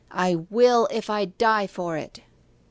'I will, if I die for it!